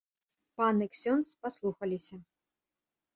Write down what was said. Пан і ксёндз паслухаліся.